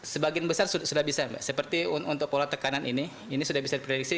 sebagian besar sudah bisa seperti untuk pola tekanan ini ini sudah bisa diprediksi